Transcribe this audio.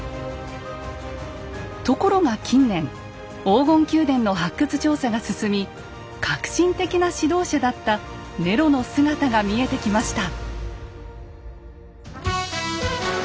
ところが近年黄金宮殿の発掘調査が進み革新的な指導者だったネロの姿が見えてきました。